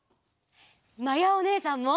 まやおねえさんも！